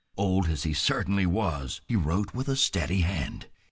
Old as he certainly was he wrote with a steady hand.